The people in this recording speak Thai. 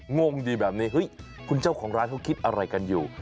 งงดีแบบนี้เฮ้ยคุณเจ้าของร้านเขาคิดอะไรกันอยู่